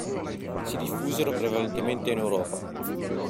Si diffusero prevalentemente in Europa.